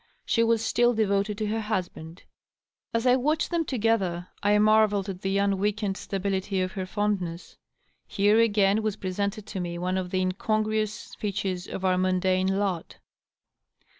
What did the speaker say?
She was still devoted to her husband. As I watched them together I marvelled at the un weakened stability of her fondness. Here again was presented to me one of the incongruous features of our mundane lot.